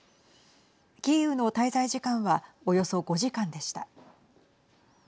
キーウの滞在時間はおよそ５時間でした。